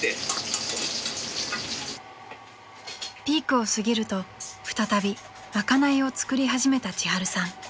［ピークを過ぎると再び賄いを作り始めた千春さん］